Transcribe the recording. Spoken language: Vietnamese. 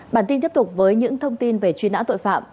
bản tin tiếp tục với những thông tin về truy nã tội phạm